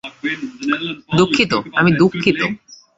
দুঃখিত, আমি দুঃখিত।